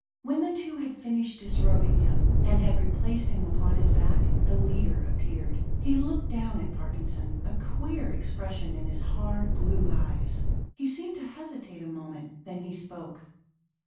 When the two had finished disrobing him, and had replaced him upon his back, the leader appeared. He looked down at Parkinson, a queer expression in his hard, blue eyes. He seemed to hesitate a moment: then he spoke.